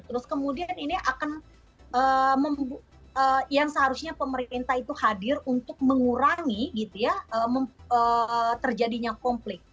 terus kemudian ini akan yang seharusnya pemerintah itu hadir untuk mengurangi terjadinya konflik